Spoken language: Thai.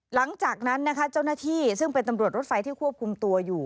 หลังจากนั้นนะคะเจ้าหน้าที่ซึ่งเป็นตำรวจรถไฟที่ควบคุมตัวอยู่